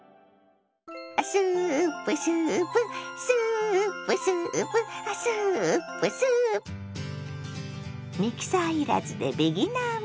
「スープスープスープスープ」「スープスー」ミキサー要らずでビギナー向け。